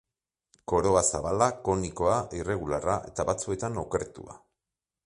Koroa zabala, konikoa, irregularra eta batzuetan okertua.